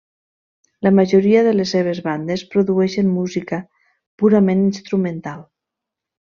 La majoria de les seves bandes produeixen música purament instrumental.